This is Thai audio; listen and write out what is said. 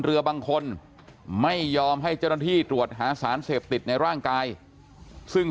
เรือบางคนไม่ยอมให้เจ้าหน้าที่ตรวจหาสารเสพติดในร่างกายซึ่ง